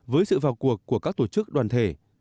với sự vào cuộc của các tổ chức đoàn thể